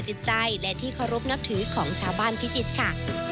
จิตใจและที่เคารพนับถือของชาวบ้านพิจิตรค่ะ